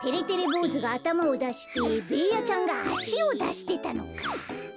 ぼうずがあたまをだしてべーヤちゃんがあしをだしてたのか。